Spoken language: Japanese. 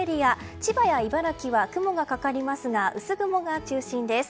千葉や茨城は雲がかかりますが薄雲が中心です。